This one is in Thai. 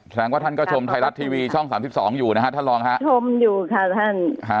แสดงว่าท่านก็ชมไทยรัฐทีวีช่อง๓๒อยู่นะฮะท่านรองฮะชมอยู่ค่ะท่าน